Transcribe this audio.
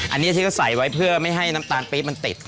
อันนี้เอาไว้แต่ก็ใส่เลยเพื่อไม่ให้น้ำตานปี้มันติด